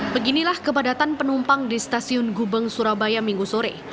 beginilah kepadatan penumpang di stasiun gubeng surabaya minggu sore